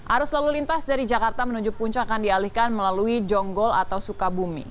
arus lalu lintas dari jakarta menuju puncak akan dialihkan melalui jonggol atau sukabumi